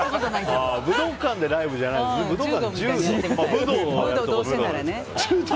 武道館でライブじゃなくて柔道。